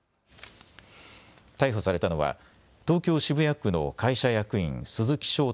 逮捕されたのは東京渋谷区の会社役員、鈴木翔太